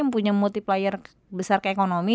punya multiplier besar ke ekonomi